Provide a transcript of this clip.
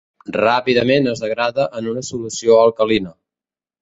Ràpidament es degrada en una solució alcalina.